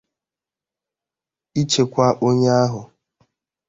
ichekwa onye ahụ